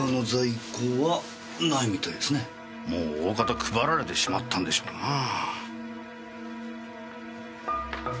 もう大方配られてしまったんでしょうなぁ。